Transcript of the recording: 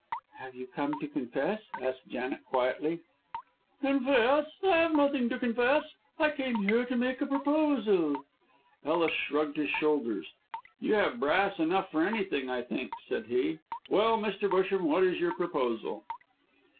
"Have you come to confess?" asked Janet, quietly. "Confess! I have nothing to confess. I come here to make a proposal." Ellis shrugged his shoulders. "You have brass enough for anything, I think," said he. "Well, Mr. Busham, and what is your proposal?"